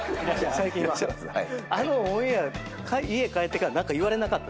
あのオンエア家帰ってから何か言われなかったですか？